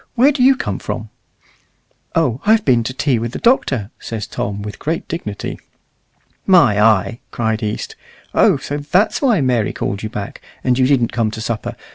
where do you come from?" "Oh, I've been to tea with the Doctor," says Tom, with great dignity. "My eye!" cried East, "Oh! so that's why Mary called you back, and you didn't come to supper.